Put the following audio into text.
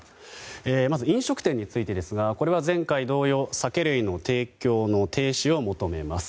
まず、飲食店についてですがこれは前回同様酒類の提供の停止を求めます。